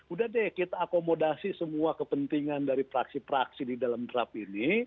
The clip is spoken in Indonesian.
udah deh kita akomodasi semua kepentingan dari praksi praksi di dalam draft ini